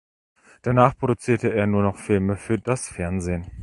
Danach produzierte er nur noch Filme für das Fernsehen.